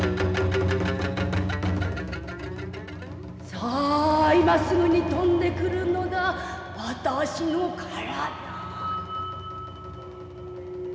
さあ今すぐに飛んでくるのだ私の体。